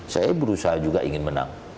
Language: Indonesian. saya berusaha juga ingin menang